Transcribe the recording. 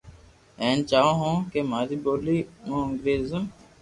ھين چاھون ھون ڪو ماري ٻولي بو انگريزو